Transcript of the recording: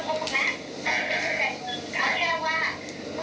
ก็ต้องลงกับมันไปเลยคุณจะด่าตัวตัวได้